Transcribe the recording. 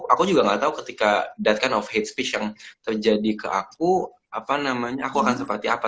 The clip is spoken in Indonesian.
aku juga gak tau ketika that kind of hate speech yang terjadi ke aku apa namanya aku akan seperti apa